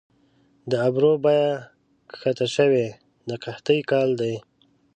د ابرو بیه کښته شوې د قحطۍ کال دي